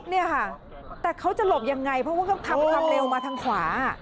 แล้วแต่เขาจะหลบยังไงเพราะว่าเขากำทำเร็วมาทางขวา